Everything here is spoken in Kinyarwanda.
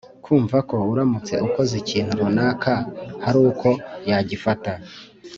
ukumva ko uramutse ukoze ikintu runaka haruko yagifata